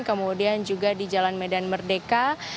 kemudian juga di jalan medan merdeka